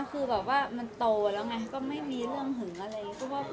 คือมันโตแล้วไงไม่มีเรื่องหึงอะไร